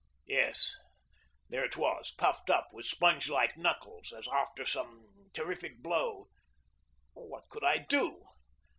Yes, there it was, puffed up, with sponge like knuckles, as after some terrific blow. What could I do?